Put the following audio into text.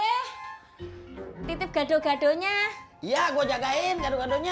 weh titip gaduh gaduhnya ya gua jagain gaduh gaduhnya